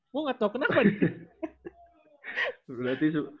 gue gak tau kenapa nih